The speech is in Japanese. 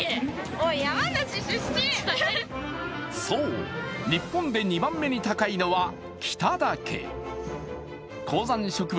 そう、日本で２番目に高いのは北岳。